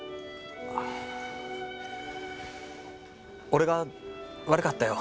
俺が悪かったよ。